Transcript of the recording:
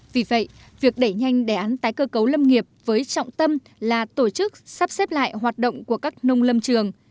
vì vậy việc đẩy nhanh đề án tái cơ cấu lâm nghiệp với trọng tâm là tổ chức sắp xếp lại hoạt động của các nông lâm trường